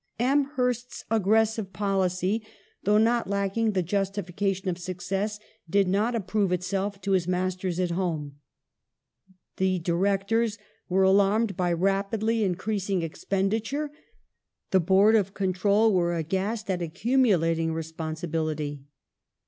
^ The re Amherst's aggressive policy, though not lacking the j ustification Lord^Wil ^^ success, did not approve itself to his masters at home. The Ham Ben Directors were alarmed by rapidly increasing expenditure, the jg2g.'j3 Board of Control were aghast at accumulating responsibility.